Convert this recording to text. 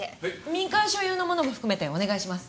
民間所有のものも含めてお願いします。